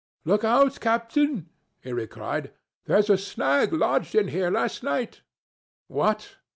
'Look out, captain!' he cried; 'there's a snag lodged in here last night.' What!